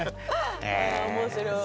面白い。